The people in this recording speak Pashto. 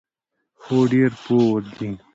هو، ډیر پوه دي